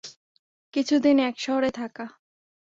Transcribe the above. কিছু দিন এক শহরে থাকা।